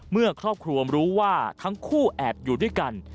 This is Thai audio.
เมื่อครอบครัวรู้ว่าทั้งคู่แอบอยู่ด้วยกัน